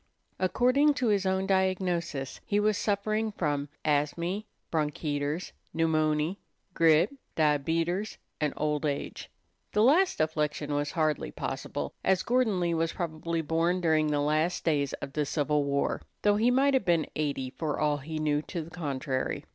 According to his own diagnosis, he was suffering from "asmy, bronketers, pneumony, grip, diabeters, and old age." The last affliction was hardly possible, as Gordon Lee was probably born during the last days of the Civil War, though he might have been eighty, for all he knew to the contrary.